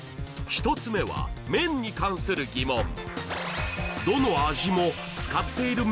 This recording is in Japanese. １つ目は麺に関するギモン